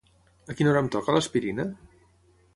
A quina hora em toca l'aspirina?